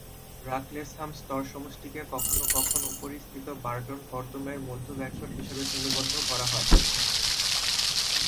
ব্রাকলেসহাম স্তরসমষ্টিকে কখনও কখনও উপরিস্থিত বার্টন কর্দমের মধ্যব্যাগশট হিসেবে শ্রেণীবদ্ধ করা হয়।